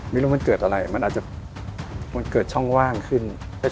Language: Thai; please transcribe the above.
ไม่รู้มันเกิดอะไรมันอาจจะมันเกิดช่องว่างขึ้น